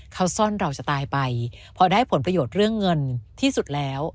เขาซ่อนเราจะตายไปพอได้ผลประโยชน์เรื่องเงินที่สุดแล้ว